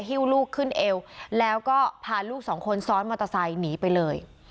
ฮิ้วลูกขึ้นเอวแล้วก็พาลูกสองคนซ้อนมอเตอร์ไซค์หนีไปเลย